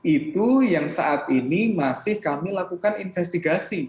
itu yang saat ini masih kami lakukan investigasi